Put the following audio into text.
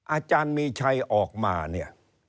อาจารย์มีชัยออกมาเนี่ย